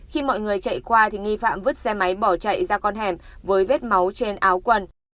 khi mọi người chạy qua thì nghi phạm vứt xe máy bỏ chạy ra con hẻm với vết máu trên áo quần